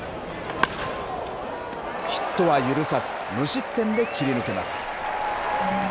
ヒットは許さず、無失点で切り抜けます。